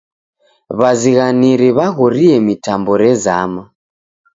W'azighaniri w'aghorie mitambo rezama.